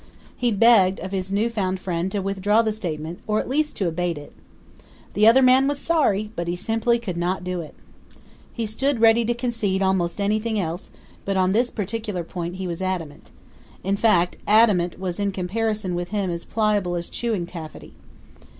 He begged of his new found friend to withdraw the statement, or at least to abate it. The other man was sorry, but he simply could not do it. He stood ready to concede almost anything else, but on this particular point he was adamant; in fact, adamant was in comparison with him as pliable as chewing taffy.